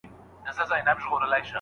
هغوی پخوا هم متوازن ژوند درلود.